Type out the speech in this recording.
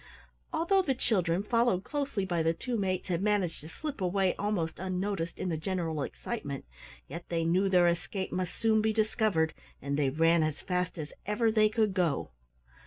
Although the children, followed closely by the two mates, had managed to slip away almost unnoticed in the general excitement, yet they knew their escape must soon be discovered and they ran as fast as ever they could go.